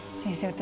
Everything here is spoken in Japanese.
私